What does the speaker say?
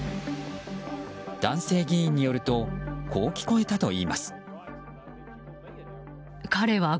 男性議員によるとこう聞こえたといいます。